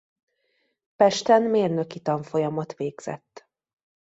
Pesten mérnöki tanfolyamot végzett.